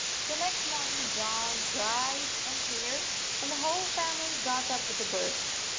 The next morning dawned bright and 82 clear, and the whole family got up with the birds.